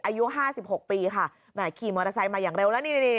อายุห้าสิบหกปีค่ะแหมขี่มอเตอร์ไซค์มาอย่างเร็วแล้วนี่นี่